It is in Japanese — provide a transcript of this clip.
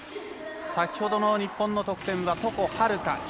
先ほどの日本の得点は床秦留可。